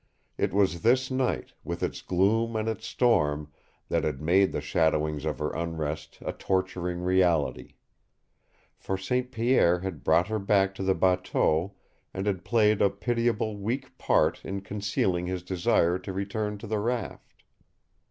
It was this night, with its gloom and its storm, that had made the shadowings of her unrest a torturing reality. For St. Pierre had brought her back to the bateau and had played a pitiably weak part in concealing his desire to return to the raft.